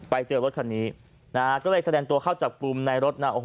ไปเจอรถคันนี้ก็เลยแสดงตัวเข้าจากปุ่มในรถนะ